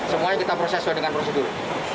semuanya kita proses sesuai dengan prosedur